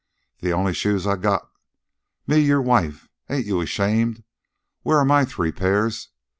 "The only shoes I got. Me. Your wife. Ain't you ashamed? Where are my three pairs?